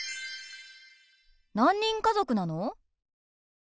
何人家族なの？